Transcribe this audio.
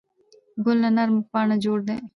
ګل له نرمو پاڼو جوړ دی.